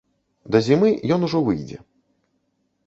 Да зімы ён ужо выйдзе.